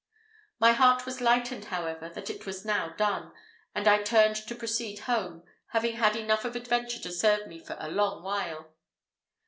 My heart was lightened, however, that it was now done, and I turned to proceed home, having had enough of adventure to serve me for a long while.